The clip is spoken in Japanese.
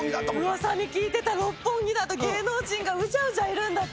うわさに聞いてた六本木だ、芸能人がうじゃうじゃいるんだと。